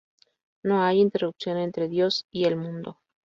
No hay interrupción entre Dios y el mundo.